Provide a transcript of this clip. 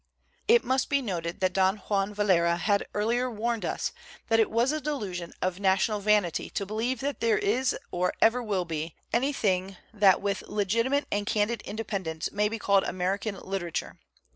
It must be noted that Don Juan Valera had carliVr warm d us that it was a delusion of na tional vanity to believe that there is or ever will be, "anything that with legitimate and can 77 WHAT IS AMERICAN LITERATURE? did independence may be called American litera ture."